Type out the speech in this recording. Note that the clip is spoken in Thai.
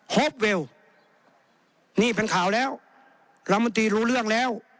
ฮอปเวลนี่เป็นข่าวแล้วรัฐมนตรีรู้เรื่องแล้ว